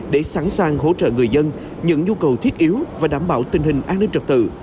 để sẵn sàng hỗ trợ người dân những nhu cầu thiết yếu và đảm bảo tình hình an ninh trật tự